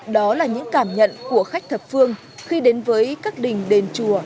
đó là những cảm nhận của khách thập phương khi đến với các đình đền chùa